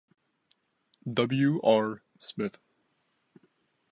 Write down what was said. W. R. Smyth.